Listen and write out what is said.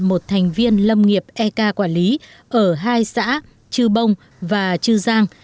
một thành viên lâm nghiệp ek quản lý ở hai xã chư bông và chư giang